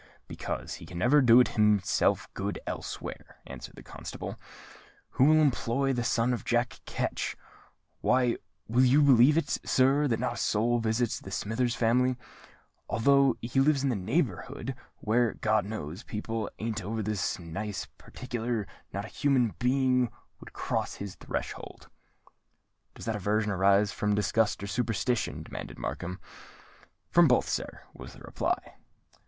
"Because he can never do himself good elsewhere," answered the constable. "Who will employ the son of Jack Ketch? Why, will you believe it, sir, that not a soul visits Smithers' family? Although he lives in this neighbourhood, where, God knows, people ain't over nice and partickler, not a human being would cross his threshold." "Does that aversion arise from disgust or superstition?" demanded Markham. "From both, sir," was the reply.